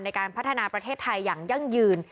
ในการพัฒนาประเทศไทยอย่างยั่งยืน